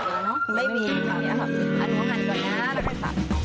อันนั้นก็หั่นก่อนนะเราก็ไม่สับ